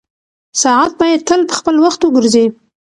ساعت باید تل په خپل وخت وګرځي.